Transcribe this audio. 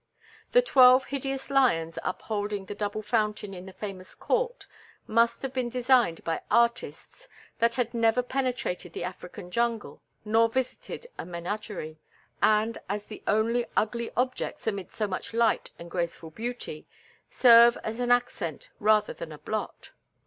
The twelve hideous lions upholding the double fountain in the famous court must have been designed by artists that had never penetrated the African jungle nor visited a menagerie, and, as the only ugly objects amid so much light and graceful beauty, serve as an accent rather than a blot.